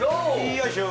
よいしょ！